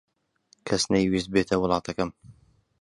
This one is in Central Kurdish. کەس نەیویست بێتە وڵاتەکەم.